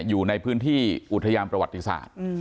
อยู่ในพื้นที่อุทยานประวัติศาสตร์